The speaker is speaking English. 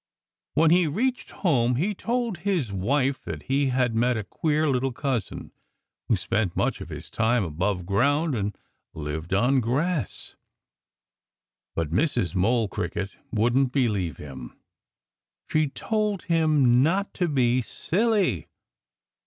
When he reached home he told his wife that he had met a queer little cousin who spent much of his time above ground and lived on grass. But Mrs. Mole Cricket wouldn't believe him. She told him not to be silly.